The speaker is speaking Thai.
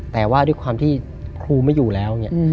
แต่ว่าด้วยความที่ครูไม่อยู่แล้วอย่างนี้